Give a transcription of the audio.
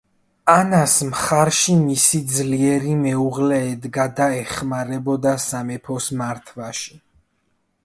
ანას მხარში მისი ძლიერი მეუღლე ედგა და ეხმარებოდა სამეფოს მართვაში.